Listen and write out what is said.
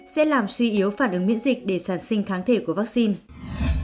sẽ làm suy yếu phản ứng miễn dịch để sản sinh kháng thể của vaccine